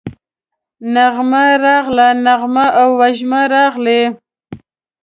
نغمه راغله، نغمه او وژمه راغلې